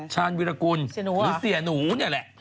ชาญวิรากุลหรือเสียหนูนี่แหละ